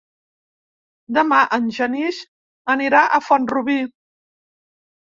Demà en Genís anirà a Font-rubí.